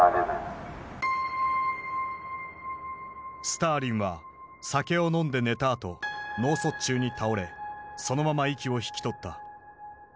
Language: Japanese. スターリンは酒を飲んで寝たあと脳卒中に倒れそのまま息を引き取った。